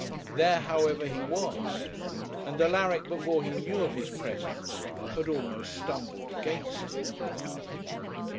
There, however, he was, and Alaric, before he knew of his presence, had almost stumbled against him.